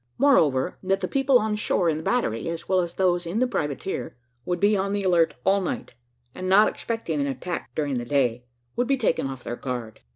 Moreover, that the people on shore in the battery, as well as those in the privateer, would be on the alert all night, and not expecting an attack during the day, would be taken off their guard.